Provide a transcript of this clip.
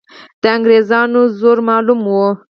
د انګریزانو زور معلوم وو.